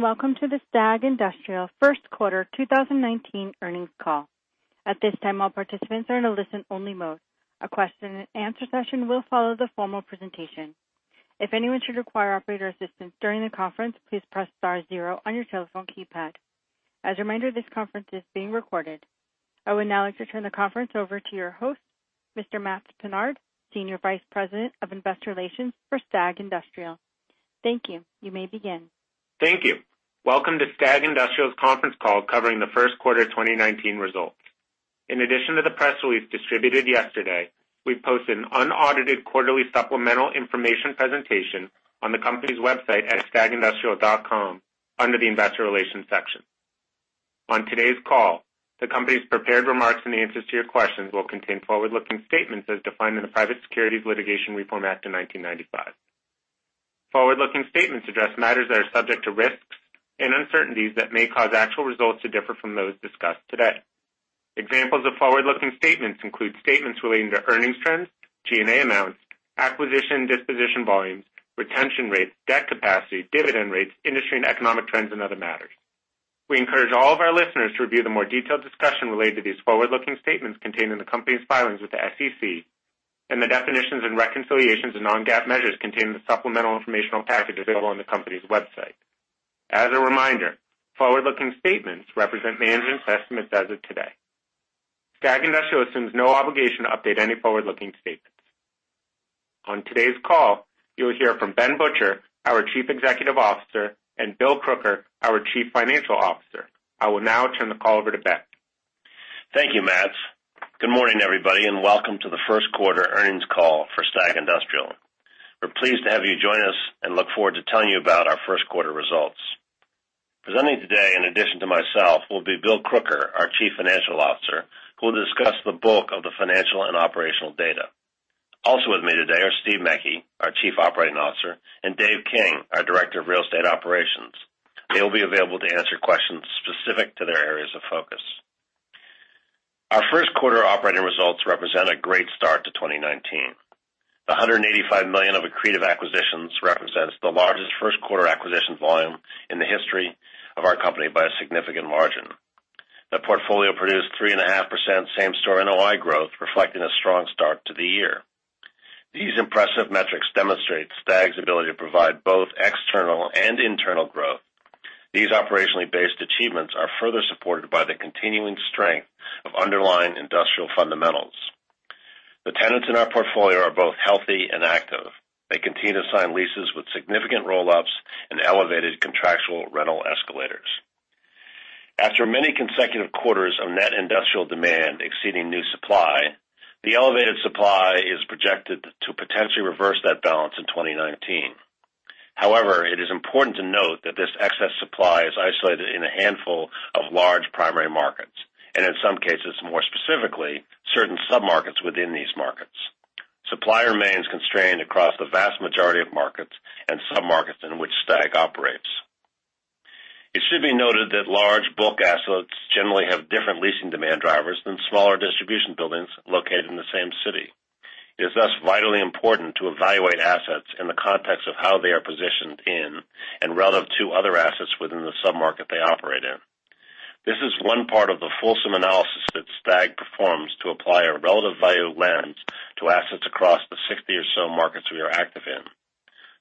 Welcome to the STAG Industrial first quarter 2019 earnings call. At this time, all participants are in a listen only mode. A question and answer session will follow the formal presentation. If anyone should require operator assistance during the conference, please press star zero on your telephone keypad. As a reminder, this conference is being recorded. I would now like to turn the conference over to your host, Mr. Matts Pinard, Senior Vice President of Investor Relations for STAG Industrial. Thank you. You may begin. Thank you. Welcome to STAG Industrial's conference call covering the first quarter 2019 results. In addition to the press release distributed yesterday, we've posted an unaudited quarterly supplemental information presentation on the company's website at stagindustrial.com under the investor relations section. On today's call, the company's prepared remarks and the answers to your questions will contain forward-looking statements as defined in the Private Securities Litigation Reform Act of 1995. Forward-looking statements address matters that are subject to risks and uncertainties that may cause actual results to differ from those discussed today. Examples of forward-looking statements include statements relating to earnings trends, G&A amounts, acquisition disposition volumes, retention rates, debt capacity, dividend rates, industry and economic trends, and other matters. We encourage all of our listeners to review the more detailed discussion related to these forward-looking statements contained in the company's filings with the SEC and the definitions and reconciliations of non-GAAP measures contained in the supplemental informational package available on the company's website. As a reminder, forward-looking statements represent management's estimates as of today. STAG Industrial assumes no obligation to update any forward-looking statements. On today's call, you'll hear from Benjamin Butcher, our Chief Executive Officer, and William Crooker, our Chief Financial Officer. I will now turn the call over to Ben. Thank you, Matts. Good morning, everybody. Welcome to the first quarter earnings call for STAG Industrial. We're pleased to have you join us and look forward to telling you about our first quarter results. Presenting today, in addition to myself, will be William Crooker, our Chief Financial Officer, who will discuss the bulk of the financial and operational data. Also with me today are Stephen Mecke, our Chief Operating Officer, and David King, our Director of Real Estate Operations. They will be available to answer questions specific to their areas of focus. Our first quarter operating results represent a great start to 2019. The $185 million of accretive acquisitions represents the largest first quarter acquisition volume in the history of our company by a significant margin. The portfolio produced 3.5% same-store NOI growth, reflecting a strong start to the year. These impressive metrics demonstrate STAG's ability to provide both external and internal growth. These operationally based achievements are further supported by the continuing strength of underlying industrial fundamentals. The tenants in our portfolio are both healthy and active. They continue to sign leases with significant roll-ups and elevated contractual rental escalators. After many consecutive quarters of net industrial demand exceeding new supply, the elevated supply is projected to potentially reverse that balance in 2019. However, it is important to note that this excess supply is isolated in a handful of large primary markets, and in some cases more specifically, certain submarkets within these markets. Supply remains constrained across the vast majority of markets and submarkets in which STAG operates. It should be noted that large bulk assets generally have different leasing demand drivers than smaller distribution buildings located in the same city. It is thus vitally important to evaluate assets in the context of how they are positioned in and relative to other assets within the submarket they operate in. This is one part of the fulsome analysis that STAG performs to apply a relative value lens to assets across the 60 or so markets we are active in.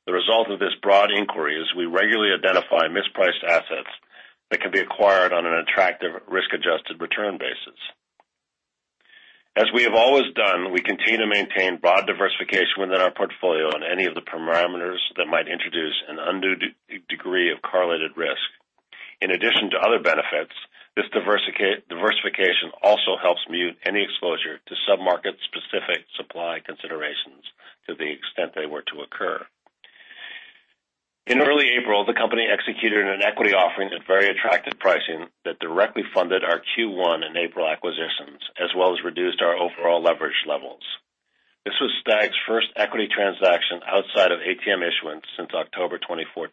The result of this broad inquiry is we regularly identify mispriced assets that can be acquired on an attractive risk-adjusted return basis. As we have always done, we continue to maintain broad diversification within our portfolio on any of the parameters that might introduce an undue degree of correlated risk. In addition to other benefits, this diversification also helps mute any exposure to submarket-specific supply considerations to the extent they were to occur. In early April, the company executed an equity offering at very attractive pricing that directly funded our Q1 and April acquisitions, as well as reduced our overall leverage levels. This was STAG's first equity transaction outside of ATM issuance since October 2014.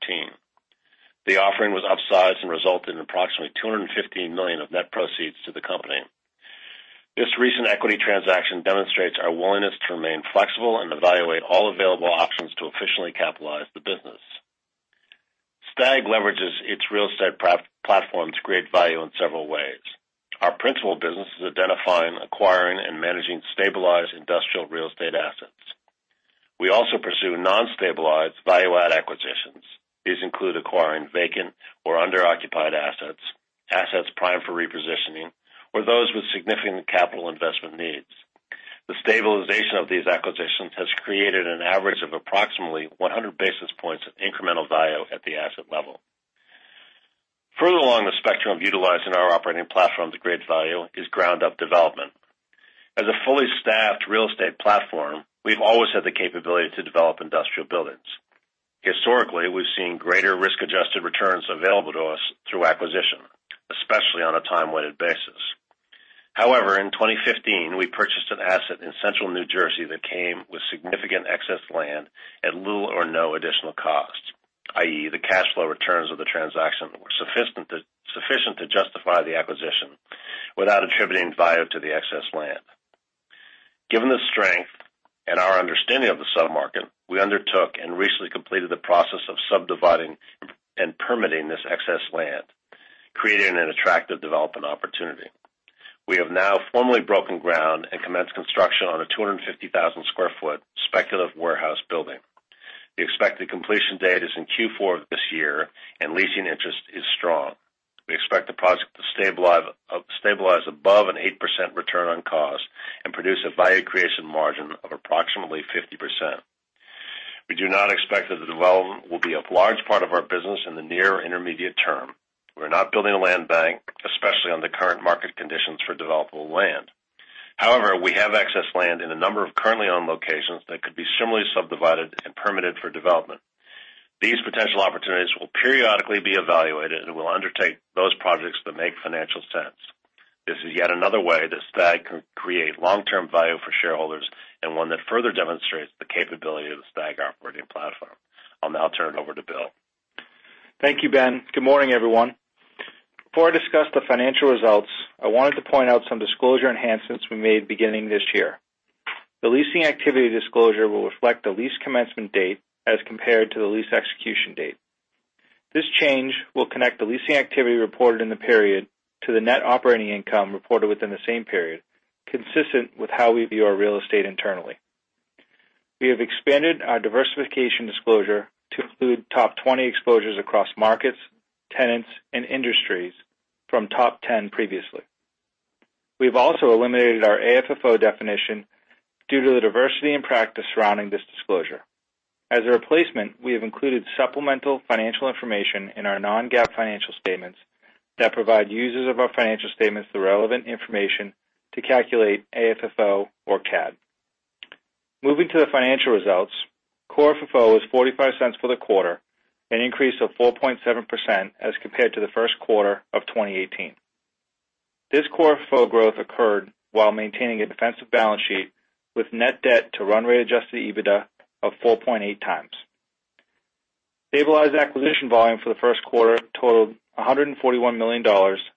The offering was upsized and resulted in approximately $250 million of net proceeds to the company. This recent equity transaction demonstrates our willingness to remain flexible and evaluate all available options to efficiently capitalize the business. STAG leverages its real estate platform to create value in several ways. Our principal business is identifying, acquiring, and managing stabilized industrial real estate assets. We also pursue non-stabilized value add acquisitions. These include acquiring vacant or under-occupied assets primed for repositioning, or those with significant capital investment needs. The stabilization of these acquisitions has created an average of approximately 100 basis points of incremental value at the asset level. Further along the spectrum of utilizing our operating platform to create value is ground-up development. As a fully staffed real estate platform, we've always had the capability to develop industrial buildings. Historically, we've seen greater risk-adjusted returns available to us through acquisition, especially on a time-weighted basis. However, in 2015, we purchased an asset in central New Jersey that came with significant excess land at little or no additional cost, i.e., the cash flow returns of the transaction were sufficient to justify the acquisition without attributing value to the excess land. Given the strength and our understanding of the sub-market, we undertook and recently completed the process of subdividing and permitting this excess land, creating an attractive development opportunity. We have now formally broken ground and commenced construction on a 250,000 square foot speculative warehouse building. The expected completion date is in Q4 of this year, and leasing interest is strong. We expect the project to stabilize above an 8% return on cost and produce a value creation margin of approximately 50%. We do not expect that the development will be a large part of our business in the near or intermediate term. We're not building a land bank, especially on the current market conditions for developable land. However, we have excess land in a number of currently owned locations that could be similarly subdivided and permitted for development. These potential opportunities will periodically be evaluated, and we'll undertake those projects that make financial sense. This is yet another way that STAG can create long-term value for shareholders and one that further demonstrates the capability of the STAG operating platform. I'll now turn it over to Bill. Thank you, Ben. Good morning, everyone. Before I discuss the financial results, I wanted to point out some disclosure enhancements we made beginning this year. The leasing activity disclosure will reflect the lease commencement date as compared to the lease execution date. This change will connect the leasing activity reported in the period to the net operating income reported within the same period, consistent with how we view our real estate internally. We have expanded our diversification disclosure to include top 20 exposures across markets, tenants, and industries from top 10 previously. We've also eliminated our AFFO definition due to the diversity in practice surrounding this disclosure. As a replacement, we have included supplemental financial information in our non-GAAP financial statements that provide users of our financial statements the relevant information to calculate AFFO or CAD. Moving to the financial results, core FFO was $0.45 for the quarter, an increase of 4.7% as compared to the first quarter of 2018. This core FFO growth occurred while maintaining a defensive balance sheet with net debt to run rate adjusted EBITDA of 4.8 times. Stabilized acquisition volume for the first quarter totaled $141 million,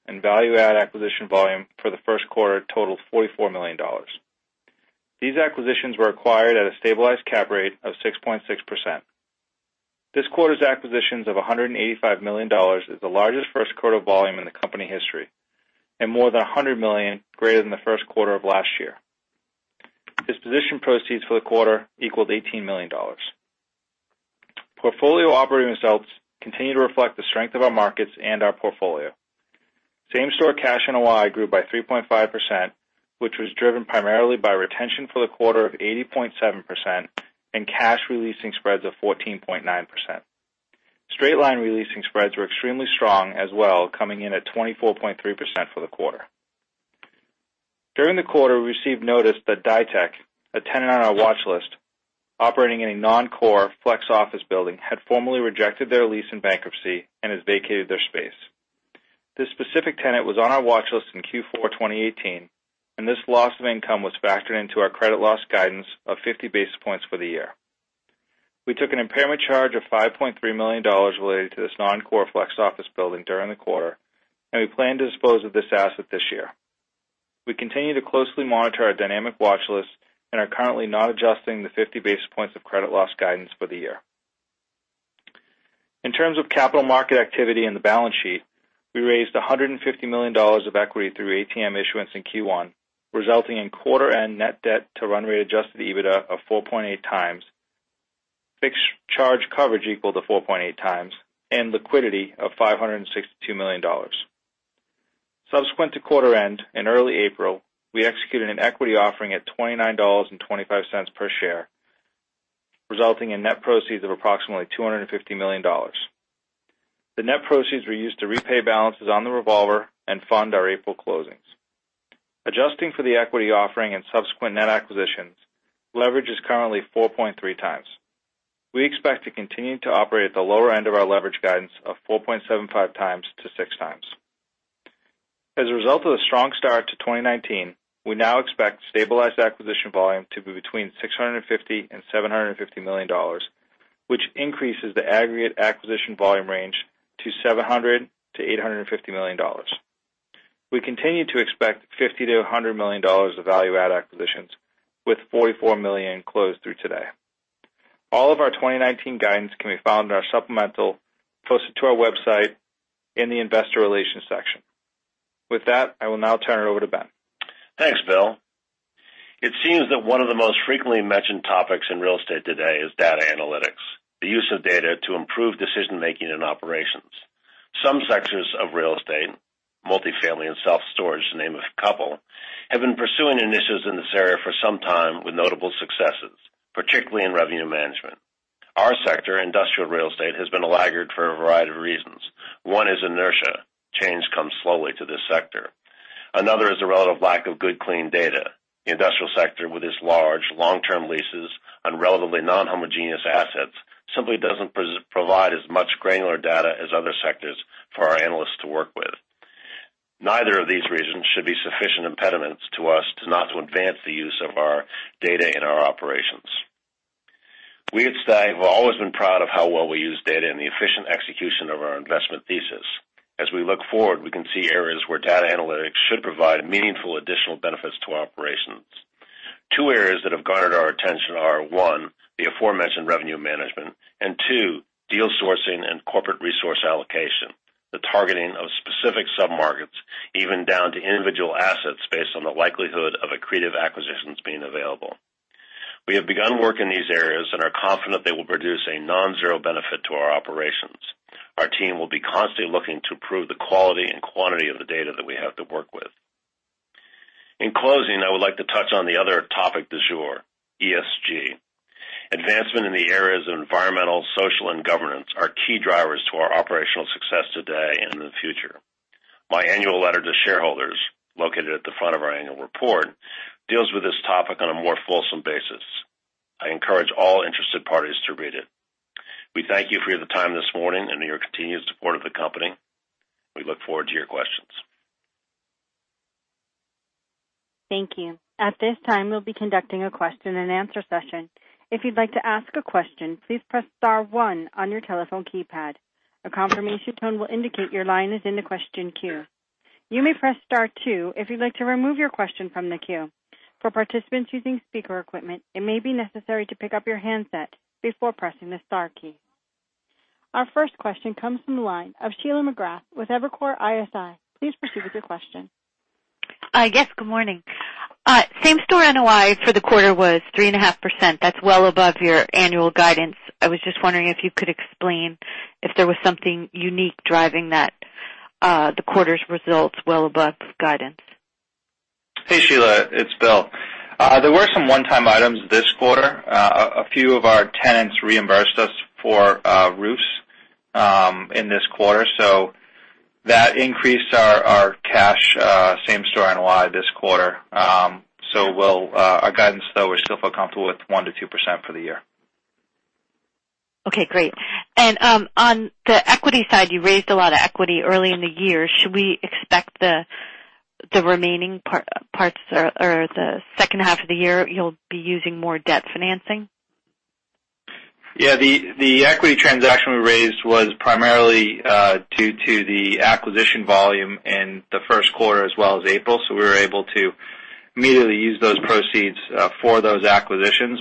and value-add acquisition volume for the first quarter totaled $44 million. These acquisitions were acquired at a stabilized cap rate of 6.6%. This quarter's acquisitions of $185 million is the largest first quarter volume in the company history and more than $100 million greater than the first quarter of last year. Disposition proceeds for the quarter equaled $18 million. Portfolio operating results continue to reflect the strength of our markets and our portfolio. Same store cash NOI grew by 3.5%, which was driven primarily by retention for the quarter of 80.7% and cash releasing spreads of 14.9%. Straight-line releasing spreads were extremely strong as well, coming in at 24.3% for the quarter. During the quarter, we received notice that Ditech, a tenant on our watch list operating in a non-core flex office building, had formally rejected their lease in bankruptcy and has vacated their space. This specific tenant was on our watch list in Q4 2018, and this loss of income was factored into our credit loss guidance of 50 basis points for the year. We took an impairment charge of $5.3 million related to this non-core flex office building during the quarter, and we plan to dispose of this asset this year. We continue to closely monitor our dynamic watch list and are currently not adjusting the 50 basis points of credit loss guidance for the year. In terms of capital market activity in the balance sheet, we raised $150 million of equity through ATM issuance in Q1, resulting in quarter end net debt to run rate adjusted EBITDA of 4.8 times, fixed charge coverage equal to 4.8 times, and liquidity of $562 million. Subsequent to quarter end, in early April, we executed an equity offering at $29.25 per share, resulting in net proceeds of approximately $250 million. The net proceeds were used to repay balances on the revolver and fund our April closings. Adjusting for the equity offering and subsequent net acquisitions, leverage is currently 4.3 times. We expect to continue to operate at the lower end of our leverage guidance of 4.75 times to 6 times. As a result of the strong start to 2019, we now expect stabilized acquisition volume to be between $650 million and $750 million, which increases the aggregate acquisition volume range to $700 million to $850 million. We continue to expect $50 million to $100 million of value add acquisitions with $44 million closed through today. All of our 2019 guidance can be found in our supplemental posted to our website in the investor relations section. With that, I will now turn it over to Ben. Thanks, Bill. It seems that one of the most frequently mentioned topics in real estate today is data analytics, the use of data to improve decision making and operations. Some sectors of real estate, multifamily and self-storage to name a couple, have been pursuing initiatives in this area for some time with notable successes, particularly in revenue management. Our sector, industrial real estate, has been a laggard for a variety of reasons. One is inertia. Change comes slowly to this sector. Another is a relative lack of good, clean data. The industrial sector, with its large, long-term leases on relatively non-homogeneous assets, simply doesn't provide as much granular data as other sectors for our analysts to work with. Neither of these reasons should be sufficient impediments to us not to advance the use of our data in our operations. We at STAG have always been proud of how well we use data in the efficient execution of our investment thesis. As we look forward, we can see areas where data analytics should provide meaningful additional benefits to our operations. Two areas that have garnered our attention are, one, the aforementioned revenue management, and two, deal sourcing and corporate resource allocation. The targeting of specific sub-markets, even down to individual assets based on the likelihood of accretive acquisitions being available. We have begun work in these areas and are confident they will produce a non-zero benefit to our operations. Our team will be constantly looking to improve the quality and quantity of the data that we have to work with. In closing, I would like to touch on the other topic du jour, ESG. Advancement in the areas of environmental, social, and governance are key drivers to our operational success today and in the future. My annual letter to shareholders, located at the front of our annual report, deals with this topic on a more fulsome basis. I encourage all interested parties to read it. We thank you for your time this morning and your continued support of the company. We look forward to your questions. Thank you. At this time, we'll be conducting a question and answer session. If you'd like to ask a question, please press star one on your telephone keypad. A confirmation tone will indicate your line is in the question queue. You may press star two if you'd like to remove your question from the queue. For participants using speaker equipment, it may be necessary to pick up your handset before pressing the star key. Our first question comes from the line of Sheila McGrath with Evercore ISI. Please proceed with your question. Yes, good morning. Same store NOI for the quarter was 3.5%. That's well above your annual guidance. I was just wondering if you could explain if there was something unique driving that, the quarter's results well above guidance. Hey, Sheila, it's Bill. There were some one-time items this quarter. A few of our tenants reimbursed us for roofs in this quarter, so that increased our cash same-store NOI this quarter. Our guidance, though, we still feel comfortable with 1%-2% for the year. Okay, great. On the equity side, you raised a lot of equity early in the year. Should we expect the remaining parts or the second half of the year, you'll be using more debt financing? Yeah. The equity transaction we raised was primarily due to the acquisition volume in the first quarter as well as April. We were able to immediately use those proceeds for those acquisitions.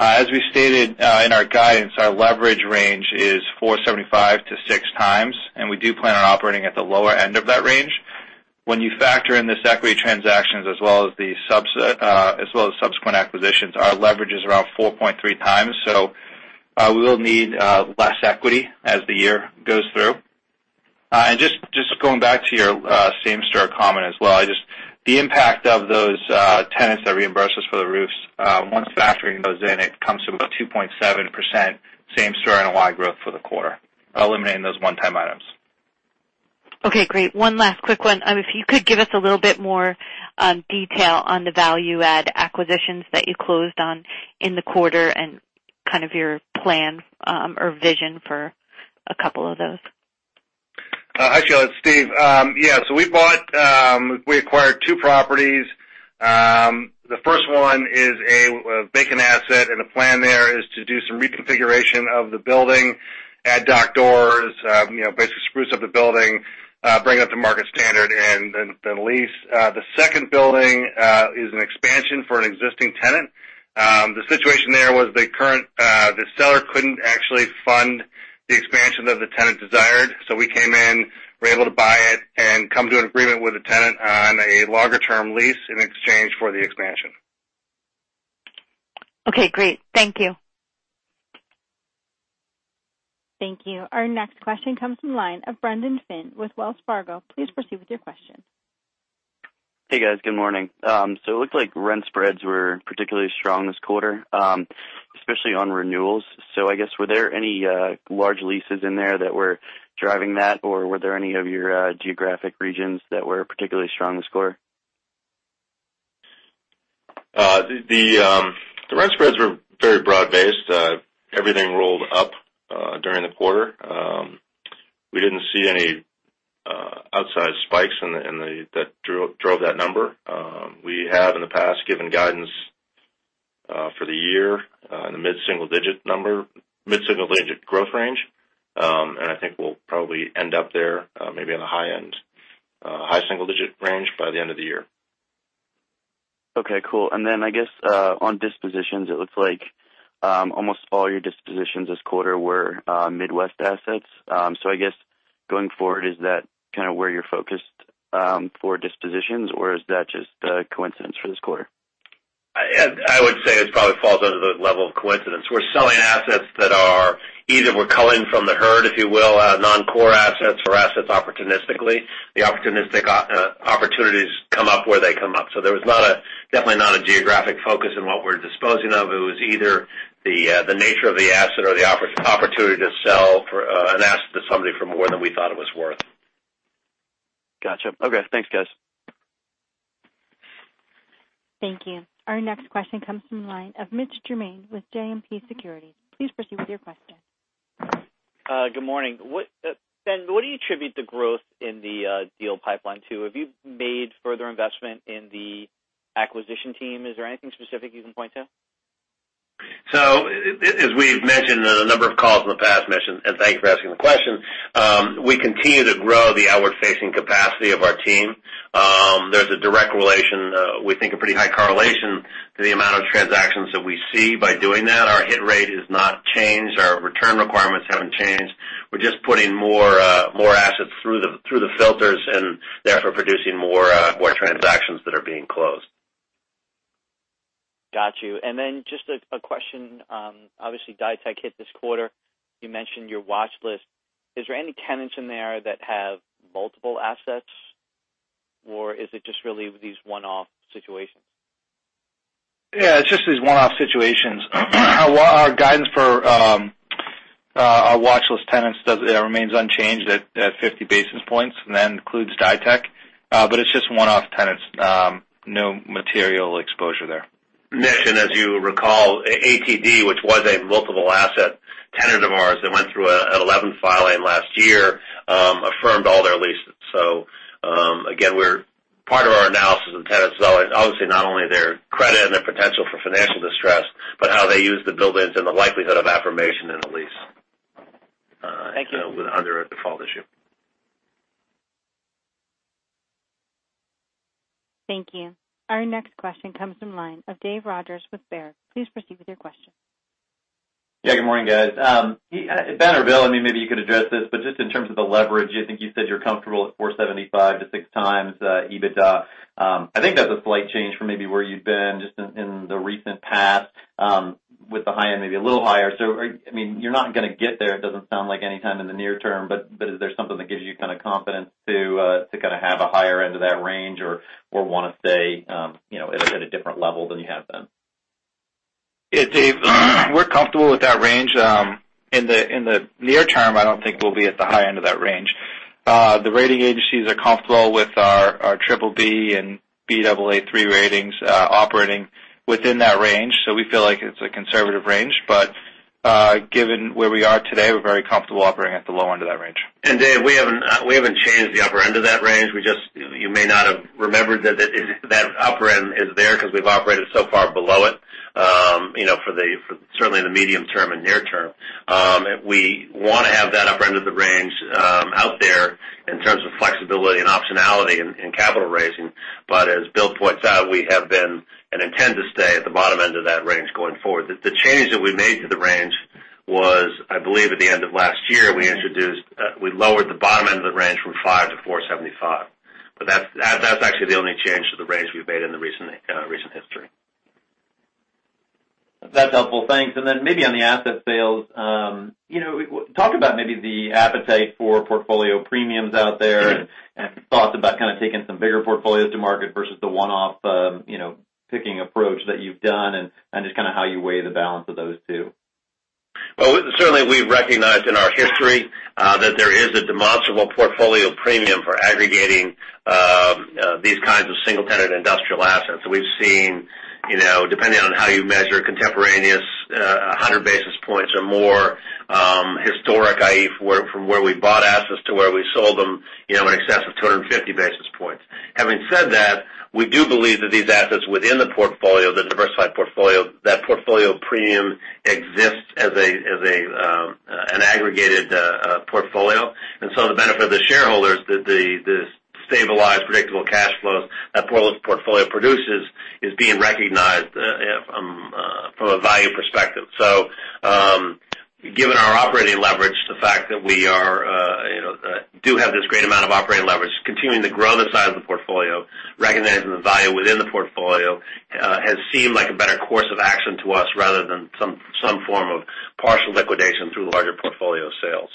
As we stated in our guidance, our leverage range is 4.75-6 times, and we do plan on operating at the lower end of that range. When you factor in this equity transactions as well as subsequent acquisitions, our leverage is around 4.3 times, we will need less equity as the year goes through. Just going back to your same-store comment as well, the impact of those tenants that reimbursed us for the roofs, once factoring those in, it comes to about 2.7% same-store NOI growth for the quarter, eliminating those one-time items. Okay, great. One last quick one. If you could give us a little bit more detail on the value-add acquisitions that you closed on in the quarter and kind of your plan or vision for a couple of those. Hi, Sheila, it's Steve. Yeah. We acquired two properties. The first one is a vacant asset, and the plan there is to do some reconfiguration of the building, add dock doors, basically spruce up the building, bring it up to market standard, and then lease. The second building is an expansion for an existing tenant. The situation there was the seller couldn't actually fund the expansion that the tenant desired. We came in, we were able to buy it, and come to an agreement with the tenant on a longer-term lease in exchange for the expansion. Okay, great. Thank you. Thank you. Our next question comes from the line of Brendan Finn with Wells Fargo. Please proceed with your question. Hey, guys. Good morning. It looked like rent spreads were particularly strong this quarter, especially on renewals. I guess, were there any large leases in there that were driving that, or were there any of your geographic regions that were particularly strong this quarter? The rent spreads were very broad-based. Everything rolled up during the quarter. We didn't see any outsized spikes that drove that number. We have in the past given guidance for the year in the mid-single-digit growth range. I think we'll probably end up there, maybe on the high end, high-single-digit range by the end of the year. Okay, cool. I guess on dispositions, it looks like almost all your dispositions this quarter were Midwest assets. I guess going forward, is that kind of where you're focused for dispositions, or is that just a coincidence for this quarter? I would say this probably falls under the level of coincidence. We're selling assets that are either we're culling from the herd, if you will, non-core assets or assets opportunistically. The opportunistic opportunities come up where they come up. There was definitely not a geographic focus in what we're disposing of. It was either the nature of the asset or the opportunity to sell an asset to somebody for more than we thought it was worth. Got you. Okay. Thanks, guys. Thank you. Our next question comes from the line of Mitch Germain with JMP Securities. Please proceed with your question. Good morning. Ben, what do you attribute the growth in the deal pipeline to? Have you made further investment in the acquisition team? Is there anything specific you can point to? As we've mentioned on a number of calls in the past, Mitch, and thank you for asking the question, we continue to grow the outward-facing capacity of our team. There's a direct relation, we think a pretty high correlation to the amount of transactions that we see by doing that. Our hit rate has not changed. Our return requirements haven't changed. We're just putting more assets through the filters and therefore producing more transactions that are being closed. Got you. Just a question, obviously Ditech hit this quarter. You mentioned your watch list. Is there any tenants in there that have multiple assets or is it just really these one-off situations? Yeah, it's just these one-off situations. Our guidance for our watchlist tenants remains unchanged at 50 basis points, and that includes Ditech. It's just one-off tenants. No material exposure there. Mitch, as you recall, ATD, which was a multiple asset tenant of ours that went through an 11 filing last year, affirmed all their leases. Again, part of our analysis of tenants is obviously not only their credit and their potential for financial distress, but how they use the buildings and the likelihood of affirmation in a lease- Thank you under a default issue. Thank you. Our next question comes from line of David Rodgers with Baird. Please proceed with your question. Good morning, guys. Ben or Bill, maybe you could address this, but just in terms of the leverage, I think you said you're comfortable at 4.75 to 6 times EBITDA. I think that's a slight change from maybe where you've been just in the recent past, with the high end maybe a little higher. You're not going to get there, it doesn't sound like anytime in the near term, but is there something that gives you confidence to have a higher end of that range or want to stay at a different level than you have been? Yeah, Dave, we're comfortable with that range. In the near term, I don't think we'll be at the high end of that range. The rating agencies are comfortable with our BBB and Baa3 ratings operating within that range, we feel like it's a conservative range. Given where we are today, we're very comfortable operating at the low end of that range. Dave, we haven't changed the upper end of that range. You may not have remembered that upper end is there because we've operated so far below it, for certainly the medium term and near term. We want to have that upper end of the range out there in terms of flexibility and optionality in capital raising. As Bill points out, we have been and intend to stay at the bottom end of that range going forward. The change that we made to the range was, I believe, at the end of last year. We lowered the bottom end of the range from 5 to 4.75. That's actually the only change to the range we've made in the recent history. That's helpful. Thanks. Then maybe on the asset sales. Talk about maybe the appetite for portfolio premiums out there and thoughts about taking some bigger portfolios to market versus the one-off picking approach that you've done and, just how you weigh the balance of those two. Certainly we've recognized in our history that there is a demonstrable portfolio premium for aggregating these kinds of single-tenant industrial assets. We've seen, depending on how you measure contemporaneous, 100 basis points or more historic, i.e., from where we bought assets to where we sold them, in excess of 250 basis points. Having said that, we do believe that these assets within the portfolio, the diversified portfolio, that portfolio premium exists as an aggregated portfolio. The benefit of the shareholders, the stabilized, predictable cash flows that portfolio produces, is being recognized from a value perspective. Given our operating leverage, the fact that we do have this great amount of operating leverage, continuing to grow the size of the portfolio, recognizing the value within the portfolio, has seemed like a better course of action to us rather than some form of partial liquidation through larger portfolio sales.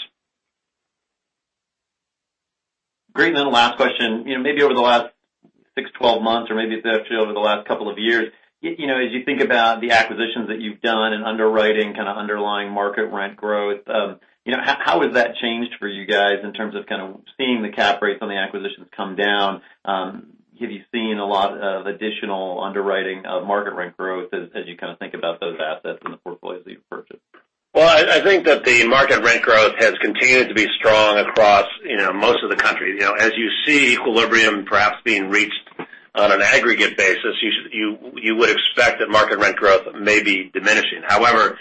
Great. The last question. Maybe over the last 6, 12 months or maybe it's actually over the last couple of years, as you think about the acquisitions that you've done and underwriting underlying market rent growth, how has that changed for you guys in terms of seeing the cap rates on the acquisitions come down? Have you seen a lot of additional underwriting of market rent growth as you think about those assets in the portfolios that you've purchased? I think that the market rent growth has continued to be strong across most of the country. As you see equilibrium perhaps being reached on an aggregate basis, you would expect that market rent growth may be diminishing. However,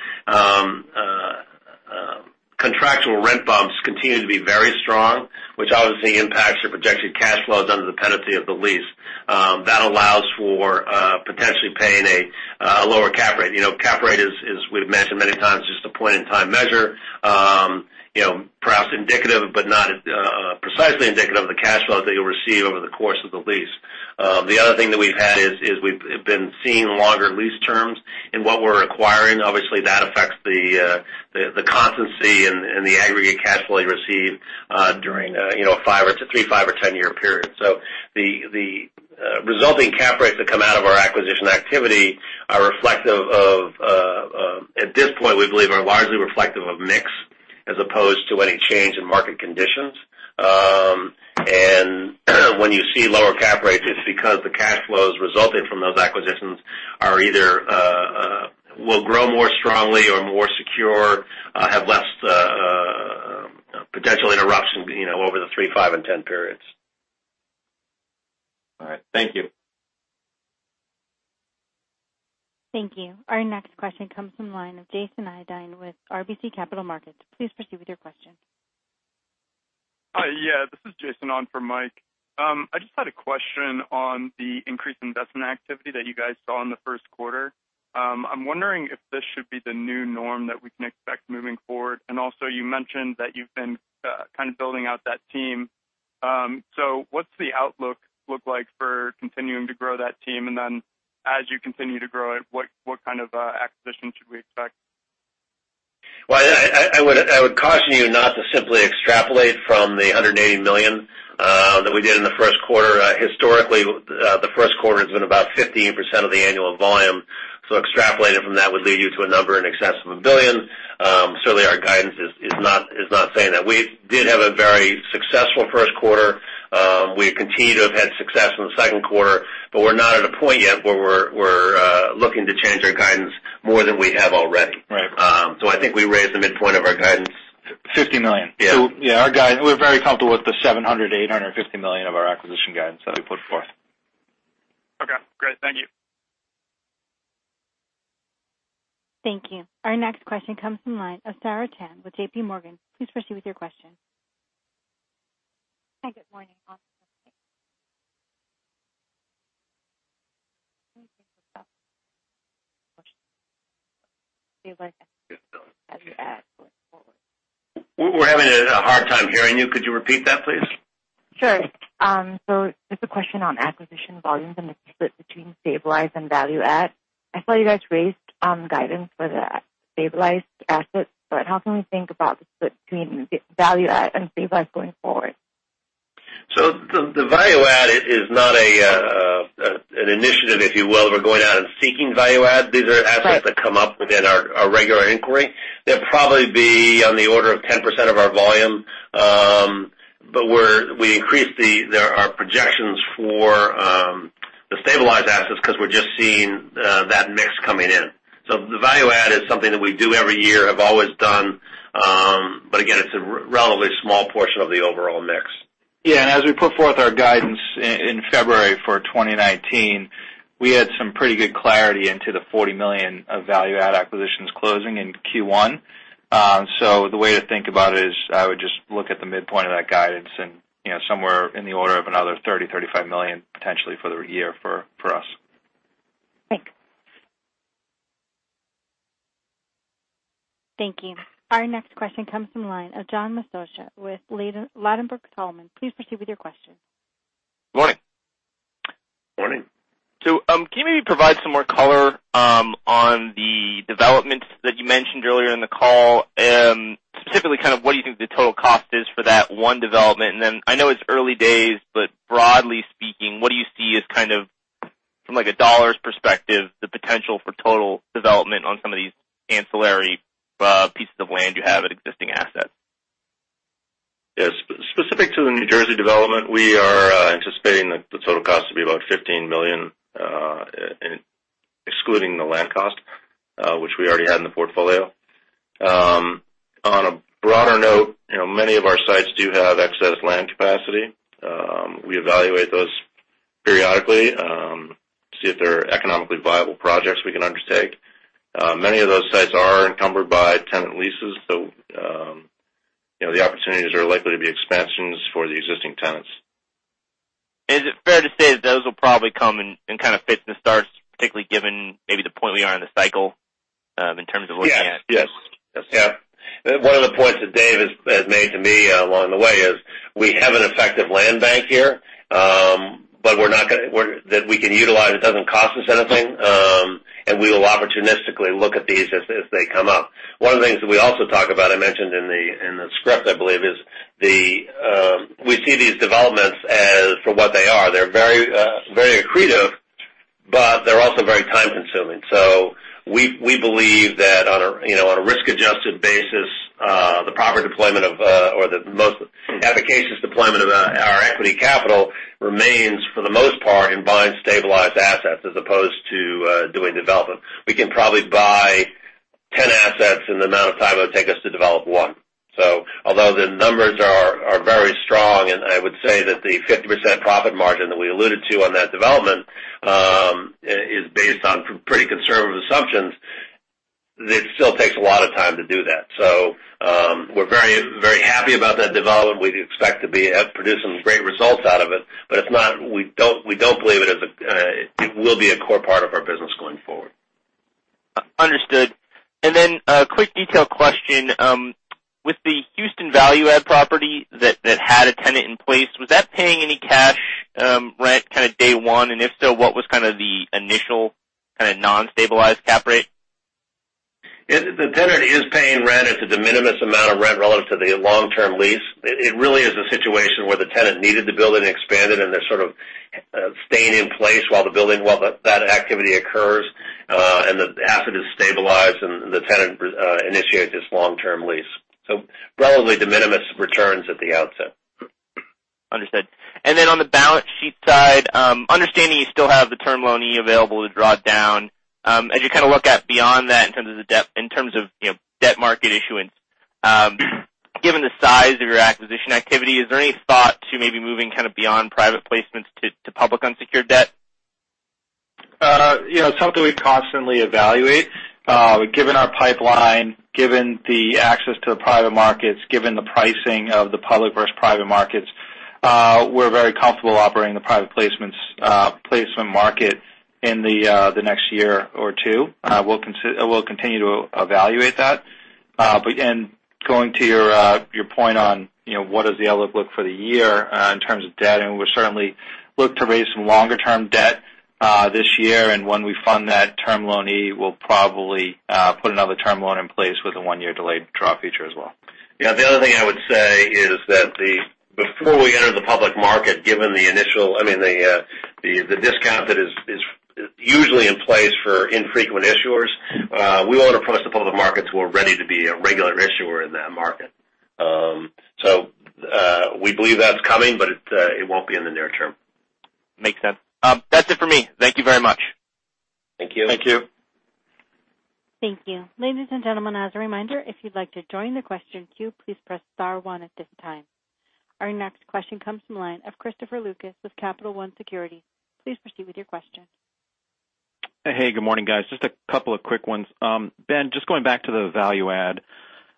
contractual rent bumps continue to be very strong, which obviously impacts your projected cash flows under the penalty of the lease. That allows for potentially paying a lower cap rate. Cap rate is, we've mentioned many times, just a point-in-time measure. Perhaps indicative, but not precisely indicative of the cash flows that you'll receive over the course of the lease. The other thing that we've had is we've been seeing longer lease terms in what we're acquiring. Obviously, that affects the constancy and the aggregate cash flow you receive during a three, five or 10-year period. The resulting cap rates that come out of our acquisition activity are reflective of, at this point, we believe, are largely reflective of mix as opposed to any change in market conditions. When you see lower cap rates, it's because the cash flows resulting from those acquisitions will grow more strongly or more secure, have less potential interruption over the three, five, and 10 periods. All right. Thank you. Thank you. Our next question comes from the line of Jason Idoine with RBC Capital Markets. Please proceed with your question. Hi. Yeah, this is Jason on for Mike. I just had a question on the increased investment activity that you guys saw in the first quarter. I'm wondering if this should be the new norm that we can expect moving forward. Also, you mentioned that you've been kind of building out that team. What's the outlook look like for continuing to grow that team? Then as you continue to grow it, what kind of acquisition should we expect? I would caution you not to simply extrapolate from the $180 million that we did in the first quarter. Historically, the first quarter has been about 15% of the annual volume. Extrapolated from that would lead you to a number in excess of $1 billion. Certainly, our guidance is not saying that. We did have a very successful first quarter. We continue to have had success in the second quarter, we're not at a point yet where we're looking to change our guidance more than we have already. Right. I think we raised the midpoint of our guidance. $50 million. Yeah. Yeah, our guide, we're very comfortable with the $700 million-$850 million of our acquisition guidance that we put forth. Okay, great. Thank you. Thank you. Our next question comes from line of Sarah Tan with J.P. Morgan. Please proceed with your question. Hi, good morning. We're having a hard time hearing you. Could you repeat that, please? Sure. Just a question on acquisition volumes and the split between stabilized and value add. I saw you guys raised guidance for the stabilized assets, how can we think about the split between value add and stabilized going forward? The value add is not an initiative, if you will. We're going out and seeking value add. These are assets- Right that come up within our regular inquiry. They'll probably be on the order of 10% of our volume. We increased our projections for the stabilized assets because we're just seeing that mix coming in. The value add is something that we do every year, have always done. Again, it's a relatively small portion of the overall mix. Yeah. As we put forth our guidance in February for 2019, we had some pretty good clarity into the $40 million of value add acquisitions closing in Q1. The way to think about it is I would just look at the midpoint of that guidance and somewhere in the order of another $30 million-$35 million potentially for the year for us. Thanks. Thank you. Our next question comes from the line of John Massocca with Ladenburg Thalmann. Please proceed with your question. Good morning. Morning. Can you maybe provide some more color on the developments that you mentioned earlier in the call? Specifically, kind of what do you think the total cost is for that one development? And then I know it's early days, but broadly speaking, what do you see as kind of from, like, a dollars perspective, the potential for total development on some of these ancillary pieces of land you have at existing assets? Yes. Specific to the New Jersey development, we are anticipating that the total cost to be about $15 million excluding the land cost, which we already had in the portfolio. On a broader note, many of our sites do have excess land capacity. We evaluate those periodically to see if they're economically viable projects we can undertake. Many of those sites are encumbered by tenant leases, so the opportunities are likely to be expansions for the existing tenants. Is it fair to say that those will probably come in kind of fits and starts, particularly given maybe the point we are in the cycle in terms of looking at? Yes. Yes. Yeah. One of the points that Dave has made to me along the way is we have an effective land bank here that we can utilize. It doesn't cost us anything. We will opportunistically look at these as they come up. One of the things that we also talk about, I mentioned in the script, I believe, is we see these developments for what they are. They're very accretive, but they're also very time-consuming. We believe that on a risk-adjusted basis, the proper deployment or the most efficacious deployment of our equity capital remains, for the most part, in buying stabilized assets as opposed to doing development. We can probably buy 10 assets in the amount of time it would take us to develop one. Although the numbers are very strong, and I would say that the 50% profit margin that we alluded to on that development is based on pretty conservative assumptions, it still takes a lot of time to do that. We're very happy about that development. We'd expect to be producing great results out of it, but we don't believe it will be a core part of our business going forward. Understood. Then a quick detail question. With the Houston value add property that had a tenant in place, was that paying any cash rent kind of day one? And if so, what was kind of the initial kind of non-stabilized cap rate? The tenant is paying rent. It's a de minimis amount of rent relative to the long-term lease. It really is a situation where the tenant needed to build and expand it, and they're sort of staying in place while that activity occurs. The asset is stabilized, and the tenant initiate this long-term lease. Probably de minimis returns at the outset. Understood. Then on the balance sheet side, understanding you still have the term loan E available to draw down, as you look at beyond that in terms of debt market issuance, given the size of your acquisition activity, is there any thought to maybe moving kind of beyond private placements to public unsecured debt? It's something we constantly evaluate. Given our pipeline, given the access to the private markets, given the pricing of the public versus private markets, we're very comfortable operating the private placement market in the next year or two. We'll continue to evaluate that. Again, going to your point on what does the outlook for the year in terms of debt, and we certainly look to raise some longer-term debt this year. When we fund that term loan E, we'll probably put another term loan in place with a one-year delayed draw feature as well. Yeah. The other thing I would say is that before we enter the public market, given the initial, I mean, the discount that is usually in place for infrequent issuers, we want to approach the public markets who are ready to be a regular issuer in that market. We believe that's coming, but it won't be in the near term. Makes sense. That's it for me. Thank you very much. Thank you. Thank you. Thank you. Ladies and gentlemen, as a reminder, if you'd like to join the question queue, please press star one at this time. Our next question comes from the line of Christopher Lucas with Capital One Securities. Please proceed with your question. Hey, good morning, guys. Just a couple of quick ones. Ben, just going back to the value add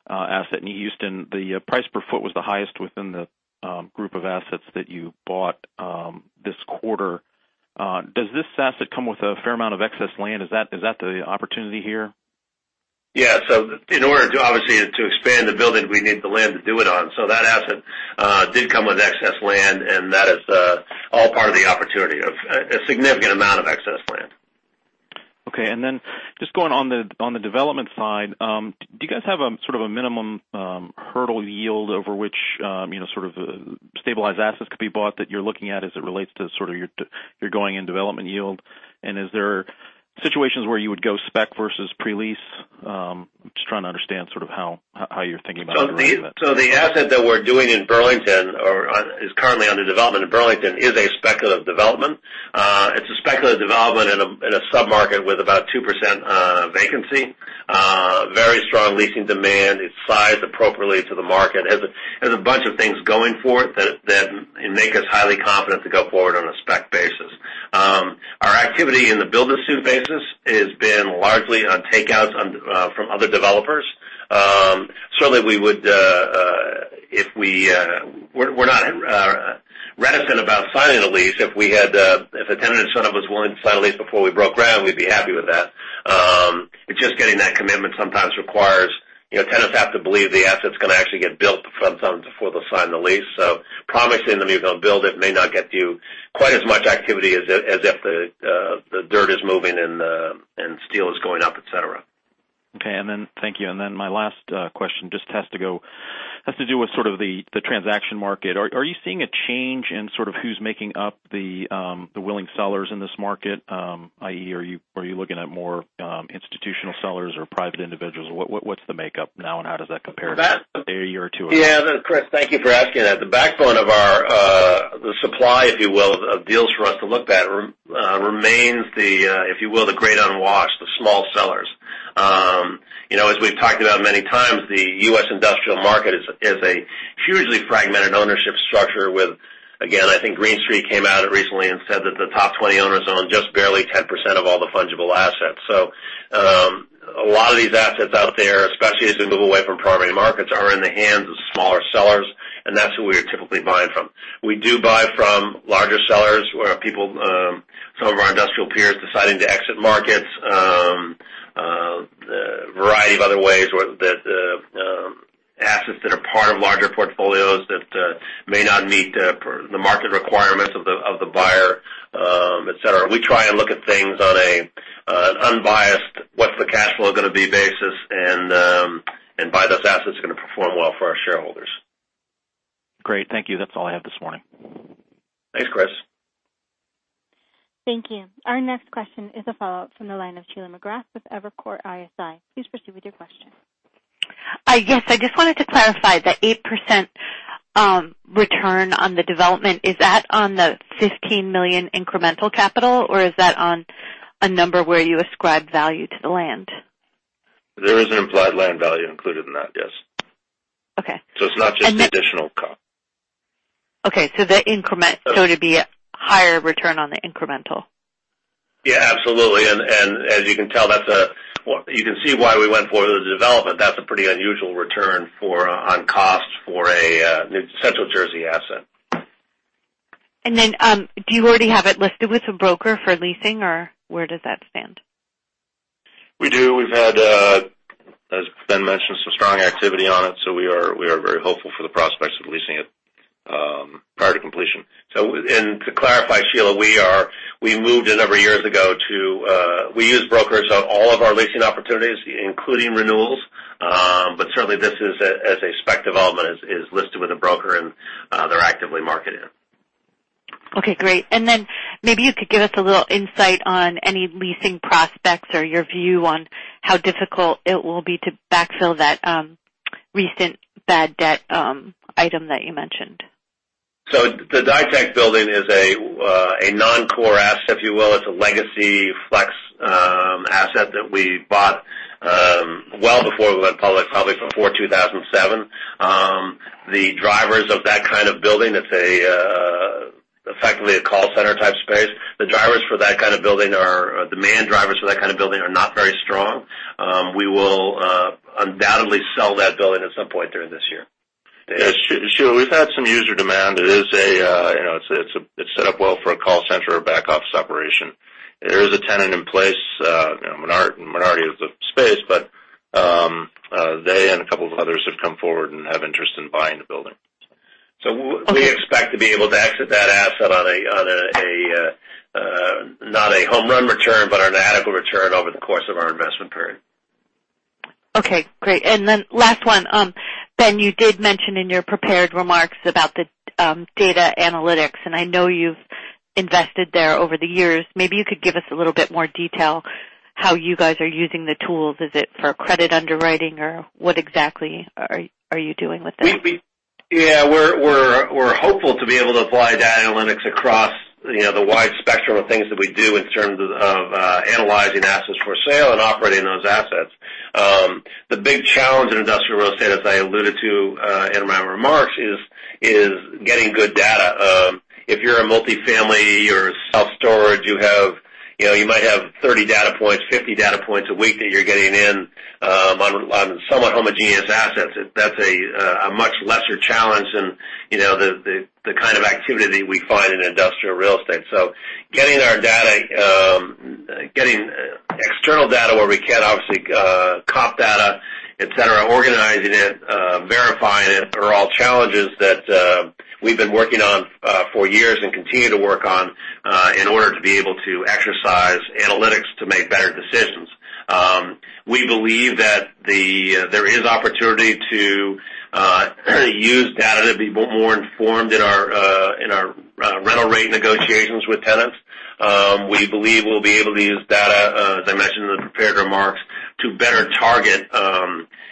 asset in Houston, the price per foot was the highest within the group of assets that you bought this quarter. Does this asset come with a fair amount of excess land? Is that the opportunity here? Yeah. In order, obviously, to expand the building, we need the land to do it on. That asset did come with excess land, and that is all part of the opportunity, of a significant amount of excess land. Okay. Then just going on the development side, do you guys have sort of a minimum hurdle yield over which stabilized assets could be bought that you're looking at as it relates to sort of your going-in development yield? Is there situations where you would go spec versus pre-lease? I'm just trying to understand sort of how you're thinking about that dynamic. The asset that we're doing in Burlington, or is currently under development in Burlington, is a speculative development. It's a speculative development in a sub-market with about 2% vacancy. Very strong leasing demand. It's sized appropriately to the market. It has a bunch of things going for it that make us highly confident to go forward on a spec basis. Our activity in the build-to-suit basis has been largely on takeouts from other developers. Certainly, we're not reticent about signing a lease. If a tenant was willing to sign a lease before we broke ground, we'd be happy with that. Just getting that commitment sometimes requires, tenants have to believe the asset's going to actually get built before they'll sign the lease. Promising them you're going to build it may not get you quite as much activity as if the dirt is moving and steel is going up, et cetera. Okay. Thank you. Then my last question just has to do with sort of the transaction market. Are you seeing a change in sort of who's making up the willing sellers in this market? I.e., are you looking at more institutional sellers or private individuals? What's the makeup now and how does that compare to a year or two ago? Yeah, Chris, thank you for asking that. The backbone of the supply, if you will, of deals for us to look at remains the great unwashed, the small sellers. As we've talked about many times, the U.S. industrial market is a hugely fragmented ownership structure with, again, I think Green Street came out recently and said that the top 20 owners own just barely 10% of all the fungible assets. A lot of these assets out there, especially as we move away from primary markets, are in the hands of smaller sellers, and that's who we are typically buying from. We do buy from larger sellers, where people, some of our industrial peers deciding to exit markets, the variety of other ways that assets that are part of larger portfolios that may not meet the market requirements of the buyer, et cetera. We try and look at things on an unbiased, what's-the-cash-flow-going-to-be basis, and buy those assets that are going to perform well for our shareholders. Great. Thank you. That's all I have this morning. Thanks, Chris. Thank you. Our next question is a follow-up from the line of Sheila McGrath with Evercore ISI. Please proceed with your question. Yes. I just wanted to clarify the 8% return on the development. Is that on the $15 million incremental capital, or is that on a number where you ascribe value to the land? There is an implied land value included in that, yes. Okay. It's not just the additional cost. Okay, it'd be a higher return on the incremental? Yeah, absolutely. As you can tell, you can see why we went for the development. That's a pretty unusual return on cost for a Central Jersey asset. Do you already have it listed with a broker for leasing, or where does that stand? We do. We've had, as Ben mentioned, some strong activity on it, so we are very hopeful for the prospects of leasing it prior to completion. To clarify, Sheila, we use brokers on all of our leasing opportunities, including renewals. Certainly this as a spec development is listed. Okay, great. Maybe you could give us a little insight on any leasing prospects or your view on how difficult it will be to backfill that recent bad debt item that you mentioned. The Ditech building is a non-core asset, if you will. It's a legacy flex asset that we bought well before we went public, probably before 2007. The drivers of that kind of building, it's effectively a call center-type space. The demand drivers for that kind of building are not very strong. We will undoubtedly sell that building at some point during this year. We've had some user demand. It's set up well for a call center or back office operation. There is a tenant in place, a minority of the space, but they and a couple of others have come forward and have interest in buying the building. We expect to be able to exit that asset on not a home run return, but on an adequate return over the course of our investment period. Okay, great. Last one. Ben, you did mention in your prepared remarks about the data analytics, and I know you've invested there over the years. Maybe you could give us a little bit more detail how you guys are using the tools. Is it for credit underwriting, or what exactly are you doing with that? We're hopeful to be able to apply data analytics across the wide spectrum of things that we do in terms of analyzing assets for sale and operating those assets. The big challenge in industrial real estate, as I alluded to in my remarks, is getting good data. If you're a multi-family or self-storage, you might have 30 data points, 50 data points a week that you're getting in on somewhat homogeneous assets. That's a much lesser challenge than the kind of activity we find in industrial real estate. Getting external data where we can, obviously, comp data, et cetera, organizing it, verifying it, are all challenges that we've been working on for years and continue to work on in order to be able to exercise analytics to make better decisions. We believe that there is opportunity to use data to be more informed in our rental rate negotiations with tenants. We believe we'll be able to use data, as I mentioned in the prepared remarks, to better target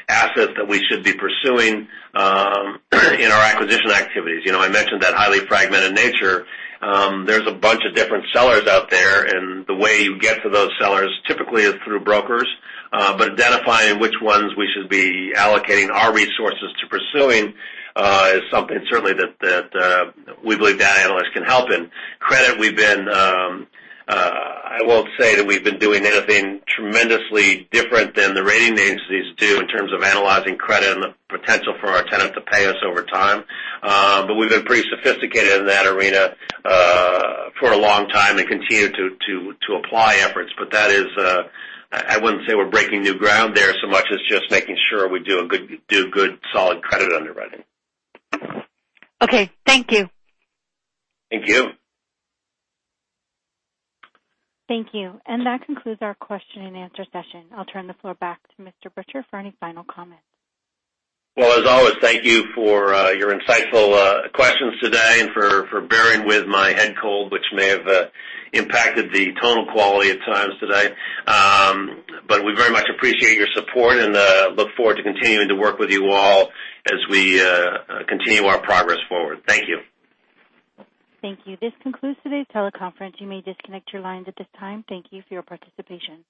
assets that we should be pursuing in our acquisition activities. I mentioned that highly fragmented nature. There's a bunch of different sellers out there, and the way you get to those sellers typically is through brokers. Identifying which ones we should be allocating our resources to pursuing is something certainly that we believe data analytics can help in. Credit, I won't say that we've been doing anything tremendously different than the rating agencies do in terms of analyzing credit and the potential for our tenant to pay us over time. We've been pretty sophisticated in that arena for a long time and continue to apply efforts. I wouldn't say we're breaking new ground there so much as just making sure we do good, solid credit underwriting. Okay. Thank you. Thank you. Thank you. That concludes our question and answer session. I'll turn the floor back to Mr. Butcher for any final comments. Well, as always, thank you for your insightful questions today and for bearing with my head cold, which may have impacted the tonal quality at times today. We very much appreciate your support and look forward to continuing to work with you all as we continue our progress forward. Thank you. Thank you. This concludes today's teleconference. You may disconnect your lines at this time. Thank you for your participation.